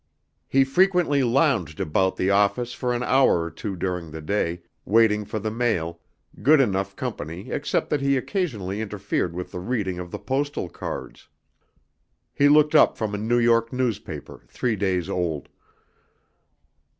He frequently lounged about the office for an hour or two during the day, waiting for the mail, good enough company except that he occasionally interfered with the reading of the postal cards. He looked up from a New York newspaper, three days old.